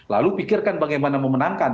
lalu pikirkan bagaimana memenangkan